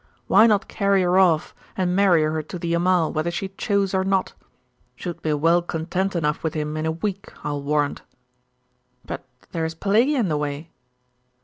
Why not carry her off, and marry her to the Amal whether she chose or not? She would be well content enough with him in a week, I will warrant.' 'But there is Pelagia in the way.